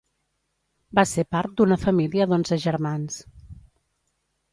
Va ser part d'una família d'onze germans.